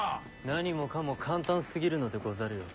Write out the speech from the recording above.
何もかも簡単過ぎるのでござるよ。